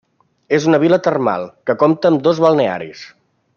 És una vila termal, que compta amb dos balnearis.